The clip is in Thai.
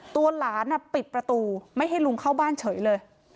ตัวหลานปิดประตูไม่ให้ลุงเข้าบ้านเฉยเลย